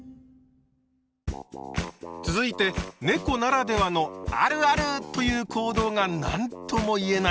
続いてねこならではの「あるある！」という行動が何とも言えない